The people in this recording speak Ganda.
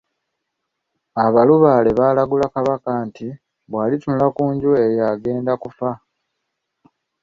Abalubaale baalagula Kabaka nti bw'alitunula ku nju eyo agenda kufa.